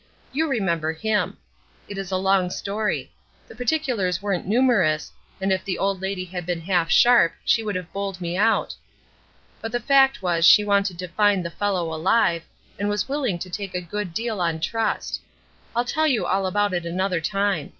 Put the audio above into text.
You remember him. It is a long story. The particulars weren't numerous, and if the old lady had been half sharp she would have bowled me out. But the fact was she wanted to find the fellow alive, and was willing to take a good deal on trust. I'll tell you all about it another time.